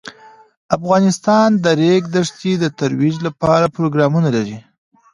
افغانستان د د ریګ دښتې د ترویج لپاره پروګرامونه لري.